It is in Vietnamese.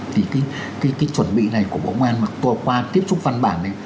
thì cái chuẩn bị này của bộ công an mà qua tiếp xúc văn bản ấy